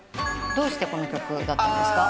どうしてこの曲だったんですか？